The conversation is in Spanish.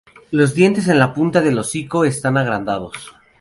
Los dientes en la punta del hocico están agrandados.